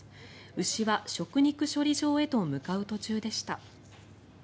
牛は食肉処理場へと向かう途中でした。